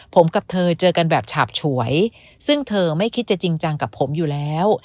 ผมกับเธอเจอกันแบบฉาบฉวยซึ่งเธอไม่คิดจะจริงจังกับผมอยู่แล้ว